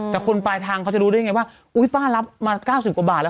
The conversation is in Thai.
แต่คนปลายทางเขาจะรู้ได้ไงว่าอุ๊ยป้ารับมา๙๐กว่าบาทแล้ว